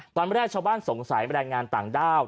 ตอนแรกชาวบ้านสงสัยแรงงานต่างด้าว